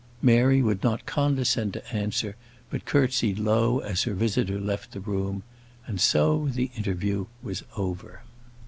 Mary would not condescend to answer, but curtsied low as her visitor left the room. And so the interview was over.